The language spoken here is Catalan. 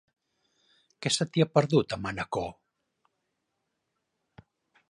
Què se t'hi ha perdut, a Manacor?